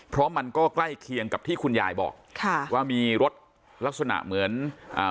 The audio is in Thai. เพราะมันก็ใกล้เคียงกับที่คุณยายบอกค่ะว่ามีรถลักษณะเหมือนอ่า